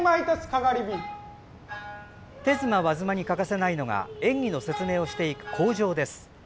手妻、和妻に欠かせないのが演技の説明をしていく口上です。